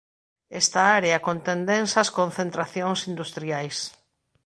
Esta área contén densas concentracións industriais.